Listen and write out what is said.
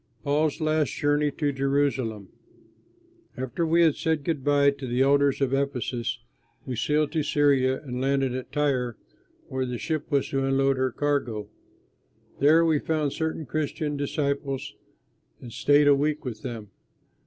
PAUL'S LAST JOURNEY TO JERUSALEM After we had said good by to the elders of Ephesus we sailed to Syria and landed at Tyre, where the ship was to unload her cargo. There we found certain Christian disciples and stayed a week with them.